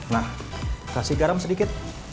nah kasih garam sedikit